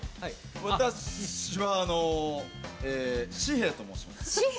私は、しへいと申します。